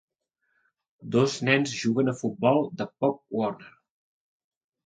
Dos nens juguen a futbol de "Pop Warner".